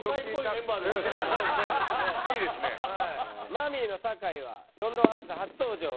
マミィの酒井は『ロンドンハーツ』初登場ですけども。